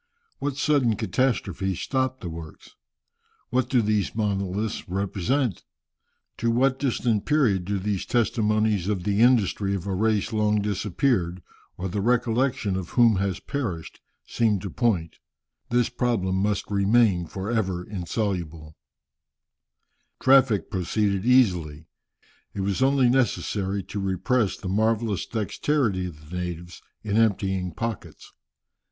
What sudden catastrophe stopped the works? What do these monoliths represent? To what distant period do these testimonies of the industry of a race long disappeared, or the recollection of whom has perished, seem to point? This problem must remain for ever insoluble. [Illustration: Monuments in Easter Island. (Fac simile of early engraving.)] Traffic proceeded easily. It was only necessary to repress the marvellous dexterity of the natives in emptying pockets.